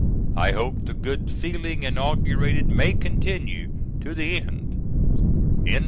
I hope the good feeling inaugurated may continue to the end. APPENDIX.